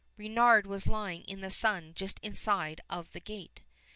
Reynard was lying in the sun just inside of the gate.